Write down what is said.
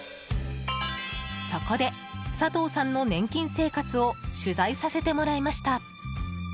そこで、佐藤さんの年金生活を取材させてもらいました。